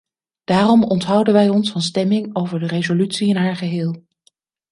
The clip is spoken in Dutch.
Daarom onthouden wij ons van stemming over de resolutie in haar geheel.